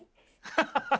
ハハハハッ